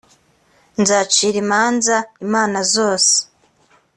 nzacira imanza imana zose